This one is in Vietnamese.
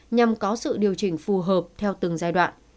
nhằm có sự điều chỉnh phù hợp theo từng giai đoạn